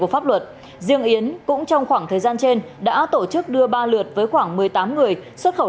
pháp luật riêng yến cũng trong khoảng thời gian trên đã tổ chức đưa ba lượt với khoảng một mươi tám người xuất khẩu